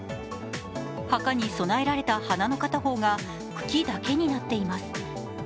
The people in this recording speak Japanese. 墓に供えられた花の片方が茎だけになっています。